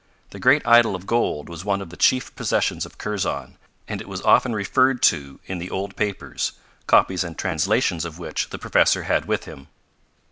The great idol of gold was one of the chief possessions of Kurzon, and it was often referred to in the old papers; copies and translations of which the professor had with him.